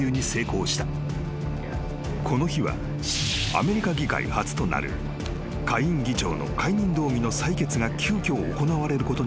［この日はアメリカ議会初となる下院議長の解任動議の採決が急きょ行われることになった日］